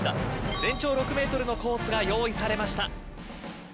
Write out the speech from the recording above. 全長６ｍのコースが用意されました。